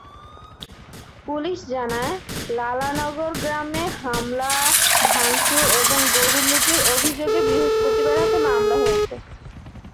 Police জানায়, লালানগর গ্রামে হামলা-ভাঙচুর এবং গরু লুটের অভিযোগে বৃহস্পতিবার রাতে মামলা হয়েছে।